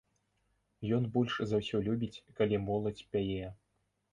Ён больш за ўсё любіць, калі моладзь пяе.